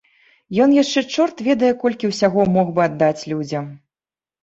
Ён яшчэ чорт ведае колькі ўсяго мог бы аддаць людзям.